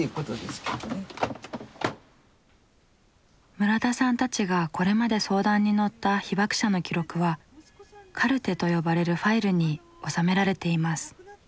村田さんたちがこれまで相談に乗った被爆者の記録は「カルテ」と呼ばれるファイルに収められています。